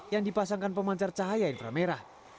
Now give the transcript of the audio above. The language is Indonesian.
yang dipasangkan pemancar cahaya inframerah